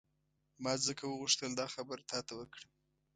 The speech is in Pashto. ما ځکه وغوښتل دا خبره تا ته وکړم.